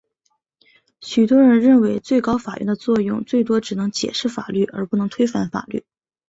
许多人认为最高法院的作用最多只能解释法律而不能推翻法律。